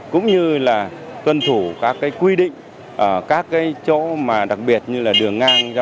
cũng như là tuân thủ các quy định ở các chỗ đặc biệt như là đường ngang